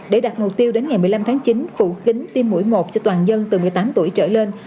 để đặt mục tiêu đến ngày một mươi năm tháng chín phủ kính tim mũi một cho toàn dân từ một mươi tám tuổi trở lên